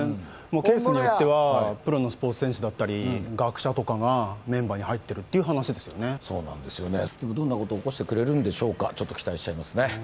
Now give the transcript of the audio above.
ケースによってはプロのスポーツ選手だったり学者とかがメンバーに入ってるっていう話ですよそうなんですよねどんなこと起こしてくれるんでしょうかちょっと期待しちゃいますね